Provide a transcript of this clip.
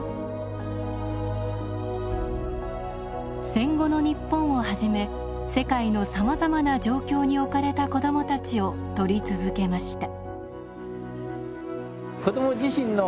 戦後の日本をはじめ世界のさまざまな状況に置かれた子どもたちを撮り続けました。